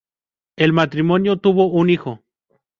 El matrimonio tuvo un hijo.